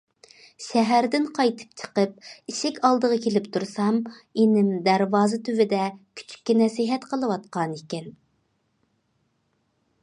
شەھەردىن قايتىپ چىقىپ، ئىشىك ئالدىغا كېلىپ تۇرسام، ئىنىم دەرۋازا تۈۋىدە كۈچۈككە نەسىھەت قىلىۋاتقانىكەن.